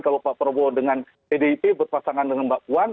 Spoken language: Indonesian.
kalau pak prabowo dengan pdip berpasangan dengan mbak puan